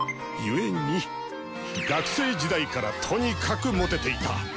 故に学生時代からとにかくモテていた。